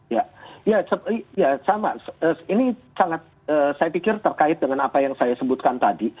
ya ya sama ini sangat saya pikir terkait dengan apa yang saya sebutkan tadi